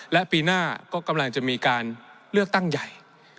และปีหน้าก็กำลังจะมีการเลือกตั้งใหญ่